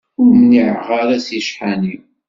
Ur mniɛeɣ ara si ccḥani.